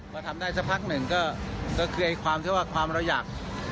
พอทำได้สักพักหนึ่งก็คือไอ้ความที่ว่าความเราอยาก